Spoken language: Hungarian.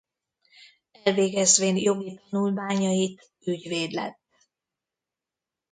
Elvégezvén jogi tanulmányait ügyvéd lett.